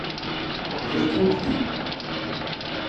Je conclus.